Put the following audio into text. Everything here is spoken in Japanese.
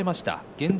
現状